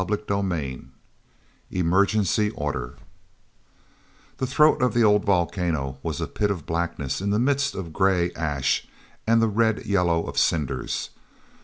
CHAPTER XIV Emergency Order he throat of the old volcano was a pit of blackness in the midst of gray ash and the red yellow of cinders.